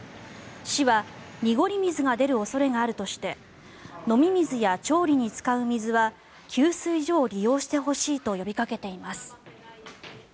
市は濁り水が出る恐れがあるとして飲み水や調理に使う水は給水所を利用してほしいと呼びかけています。